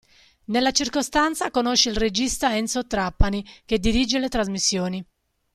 Nella circostanza conosce il regista Enzo Trapani, che dirige le trasmissioni.